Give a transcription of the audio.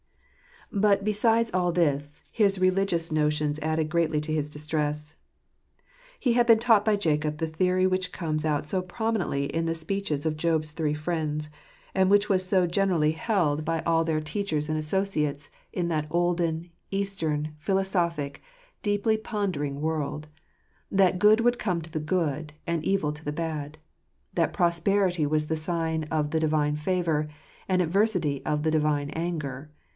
But besides all this, his religious notions added greatly to his distress. He had been taught by Jacob the theory which comes out so prominently in the speeches of Job's three friends, and which was so generally held by all their 52 Jtttettit&erstoif attir Jtnpriaritteir. teachers and associates in that olden, Eastern, philosophic, deeply pondering world : that good would come to the good, and evil to the bad ; that prosperity was the sign of the Divine favour, and adversity of the Divine anger.